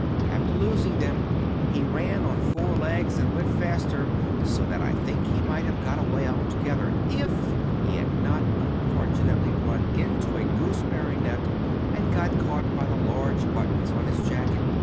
After losing them, he ran on four legs and went faster, so that I think he might have got away altogether if he had not unfortunately run into a gooseberry net, and got caught by the large buttons on his jacket.